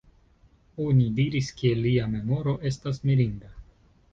Oni diris ke lia memoro estas mirinda.